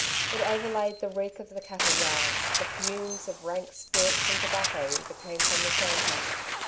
It overlaid the reek of the cattle yards, the fumes of rank spirits and tobacco that came from the shanties.